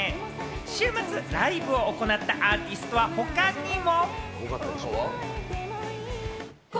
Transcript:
週末ライブを行ったアーティストは他にも。